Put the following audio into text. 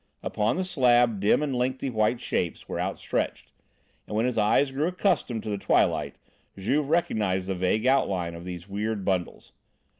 Upon the slab dim and lengthy white shapes were outstretched, and when his eyes grew accustomed to the twilight, Juve recognised the vague outline of these weird bundles.